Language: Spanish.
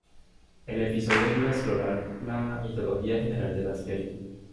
El episodio ayuda a explorar la mitología general de la serie.